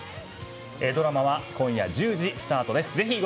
ドラマは今夜１０時スタートです。